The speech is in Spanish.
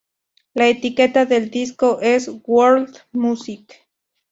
La etiqueta del disco es "World Music".